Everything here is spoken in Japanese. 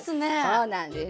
そうなんです。